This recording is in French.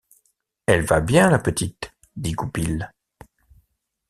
Elle va bien, la petite, dit Goupil.